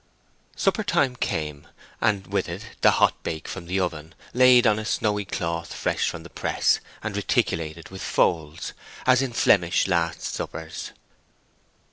Supper time came, and with it the hot baked meats from the oven, laid on a snowy cloth fresh from the press, and reticulated with folds, as in Flemish "Last Suppers."